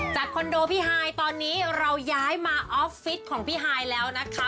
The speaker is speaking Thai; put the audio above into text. คอนโดพี่ฮายตอนนี้เราย้ายมาออฟฟิศของพี่ฮายแล้วนะคะ